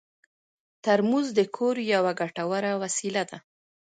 ترموز د کور یوه ګټوره وسیله ده.